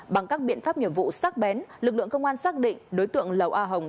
bằng các biện pháp nhiệm vụ sắc bén lực lượng công an xác định đối tượng lầu a hồng